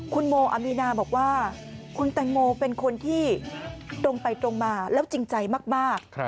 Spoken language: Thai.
คุณโมอามีนาบอกว่าคุณแตงโมเป็นคนที่ตรงไปตรงมาแล้วจริงใจมาก